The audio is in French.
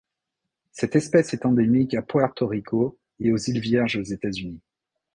Cette espèce est endémique à Puerto Rico et aux îles Vierges aux États-Unis.